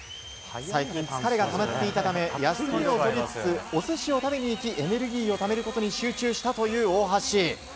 最近、疲れがたまっていたため休みを取りつつお寿司を食べに行きエネルギーをためることに集中した、大橋。